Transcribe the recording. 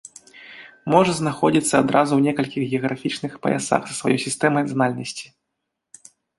Можа знаходзіцца адразу ў некалькіх геаграфічных паясах са сваёй сістэмай занальнасці.